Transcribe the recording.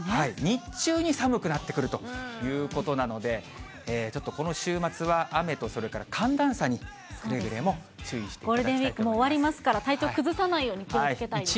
日中に寒くなってくるということなので、ちょっと、この週末は雨とそれから寒暖差にくれぐれも注意していただきたいゴールデンウィークも終わりますから体調崩さないように気をつけたいですね。